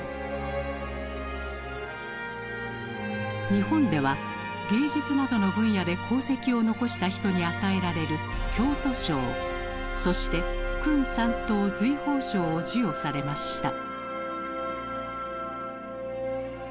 日本では芸術などの分野で功績を残した人に与えられる京都賞そして勲三等瑞宝章を授与されました。